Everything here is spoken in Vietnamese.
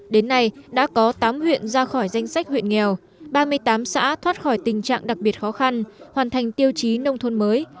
đến nay đã có tám huyện ra khỏi danh sách huyện nghèo ba mươi tám xã thoát khỏi tình trạng đặc biệt khó khăn hoàn thành tiêu chí nông thôn mới